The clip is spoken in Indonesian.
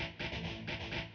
aku mau ke rumah